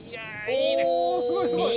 おおーすごいすごい！